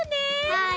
はい！